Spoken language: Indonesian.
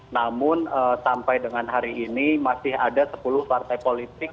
namun sampai dengan hari ini masih ada sepuluh partai politik